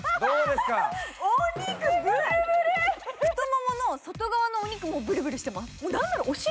太ももの外側のお肉もぶるぶるしてます。